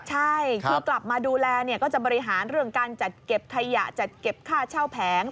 ใช่คือกลับมาดูแลก็จะบริหารเรื่องการจัดเก็บขยะจัดเก็บค่าเช่าแผง